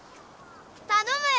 たのむよ。